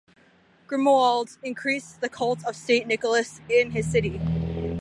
Grimoald increased the cult of Saint Nicholas in his city.